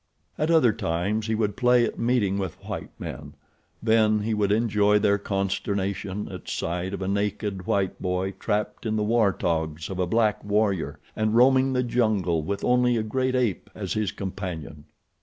At other times he would play at meeting with white men. Then he would enjoy their consternation at sight of a naked white boy trapped in the war togs of a black warrior and roaming the jungle with only a great ape as his companion.